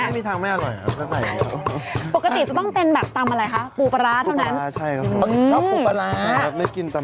อันนี้อยู่อยู่อยู่อยู่ที่นู่นแบมก็ทำอย่างงี้ใช่ไหม